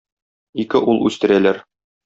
Ике ул үстерәләр.